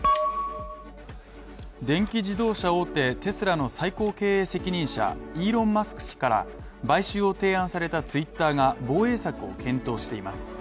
電気自動車大手テスラの最高経営責任者イーロン・マスク氏から買収を提案されたＴｗｉｔｔｅｒが防衛策を検討しています。